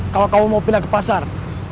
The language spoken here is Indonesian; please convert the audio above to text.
kalau kamu mau pindah ke pasar